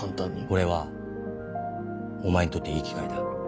これはお前にとっていい機会だ。